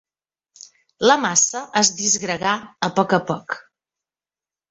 La massa es disgregà a poc a poc.